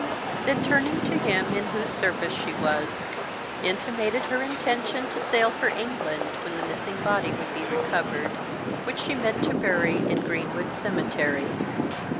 Then turning to him in whose service she was, intimated her intention to sail for England when the missing body would be recovered, which she meant to bury in Greenwood Cemetery.